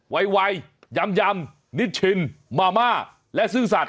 วัยยำนิชชินมาม่าและซื่อสัตว